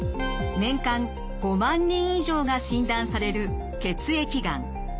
年間５万人以上が診断される血液がん。